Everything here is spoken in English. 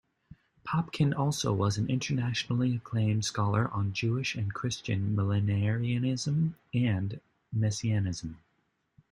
Popkin also was an internationally acclaimed scholar on Jewish and Christian millenarianism and messianism.